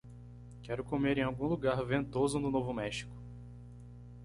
quero comer em algum lugar ventoso no Novo México